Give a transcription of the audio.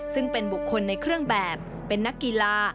ซึ่งเป็นบุคคลในเครื่องแบบเป็นนักกีฬา